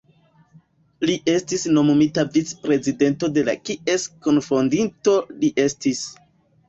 Li estis nomumita vic-prezidanto de la kies kunfondinto li estis.